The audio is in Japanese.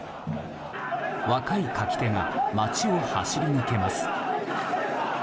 若い舁き手が街を走り抜けます。